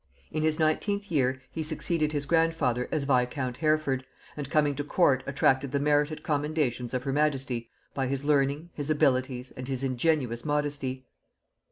In his nineteenth year he succeeded his grandfather as viscount Hereford, and coming to court attracted the merited commendations of her majesty by his learning, his abilities, and his ingenuous modesty.